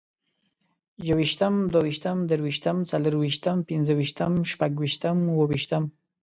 يوویشتم، دوويشتم، دريوشتم، څلورويشتم، پنځوويشتم، شپږويشتم، اوويشتمه